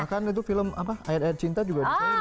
bahkan itu film apa ayat ayat cinta juga bisa